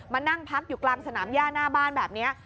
มานั่งพักอยู่กลางสนามย่าหน้าบ้านแบบนี้